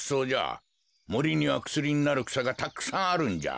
もりにはくすりになるくさがたくさんあるんじゃ。